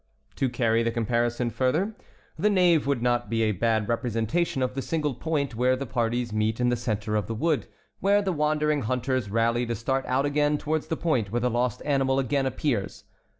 To carry the comparison further, the nave would not be a bad representation of the single point where the parties meet in the centre of the wood, where the wandering hunters rally to start out again towards the point where the lost animal again appears.